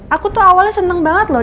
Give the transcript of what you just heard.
aku tuh awalnya senang banget loh